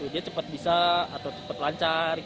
dia cepat bisa atau cepat lancar